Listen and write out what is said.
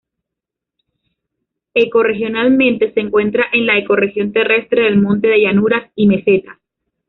Ecorregionalmente se encuentra en la Ecorregión terrestre del monte de llanuras y mesetas.